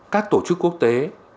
các tổ chức quốc tế